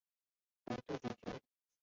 本作主角。